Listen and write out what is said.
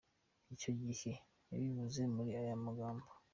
Icyo gihe yabivuze muri aya magambo.